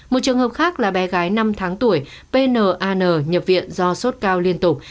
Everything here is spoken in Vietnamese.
một trường hợp khác là bé gái năm tháng tuổi pnanh nhập viện do sốt cao liên tục